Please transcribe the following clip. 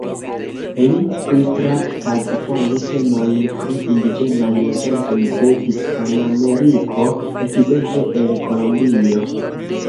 Li pritraktas foje temojn pri indiĝenaj loĝantoj de Hispanameriko, ekzemple el Kolombio.